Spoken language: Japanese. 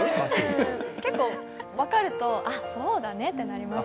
結構分かると、そうだねってなります。